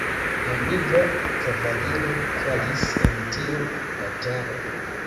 La nigra kavaliro falis en tiu batalo.